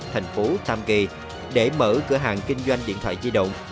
thành phố tam kỳ để mở cửa hàng kinh doanh điện thoại di động